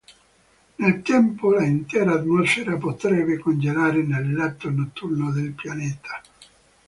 Nel tempo l'intera atmosfera potrebbe congelare nel lato notturno del pianeta.